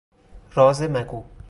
راز مگو